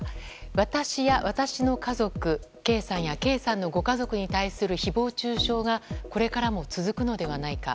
私や私の家族、圭さんや圭さんのご家族に対する誹謗中傷がこれからも続くのではないか。